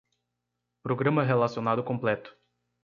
Programa relacionado completo